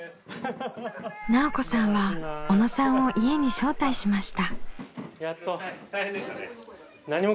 奈緒子さんは小野さんを家に招待しました。